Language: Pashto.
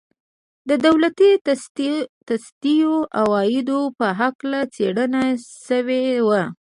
د دولتي تصدیو عوایدو په هکله څېړنه شوې وه.